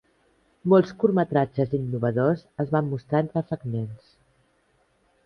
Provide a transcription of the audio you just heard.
Molts curtmetratges innovadors es van mostrar entre fragments.